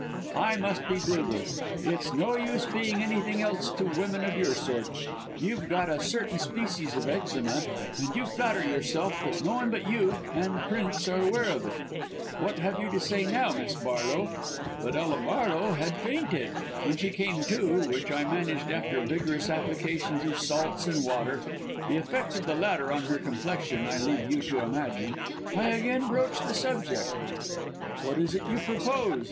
I must be brutal it's no use being anything else to women of your sort. You've got a certain species of eczema, and you flatter yourself that no one but you and Prince are aware of it. What have you got to say now, Miss Barlow?' But Ella Barlow had fainted. When she came to, which I managed after vigorous application of salts and water the effects of the latter on her complexion I leave you to imagine I again broached the subject. "'What is it you propose?'